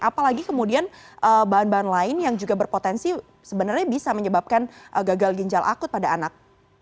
apalagi kemudian bahan bahan lain yang juga berpotensi sebenarnya bisa menyebabkan gagal ginjal akut pada anak